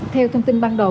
theo thông tin ban đầu